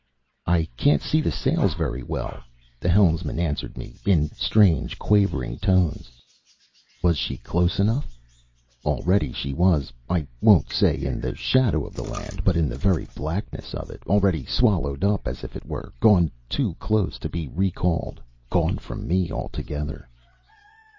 "I can't see the sails very well," the helmsman answered me, in strange, quavering tones. Was she close enough? Already she was, I won't say in the shadow of the land, but in the very blackness of it, already swallowed up as it were, gone too close to be recalled, gone from me altogether.